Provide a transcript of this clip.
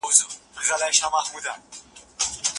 نړیوال بازارونه زموږ په تمه دي.